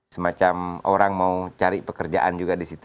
semacam orang mau cari pekerjaan juga di situ